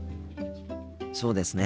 そうですね。